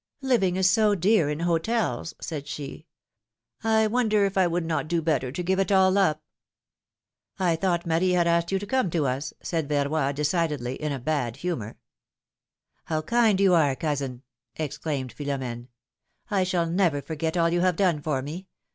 Living is so dear in hotels,'^ said she. I wonder if I would not do better to give it all up ? I thought Marie had asked you to come to us,'' said Verroy, decidedly, in a bad humor. ^^How kind you are, cousin!" exclaimed Philom^ne. I shall never forget all you have done for me.